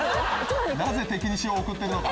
なぜ敵に塩を送るのか？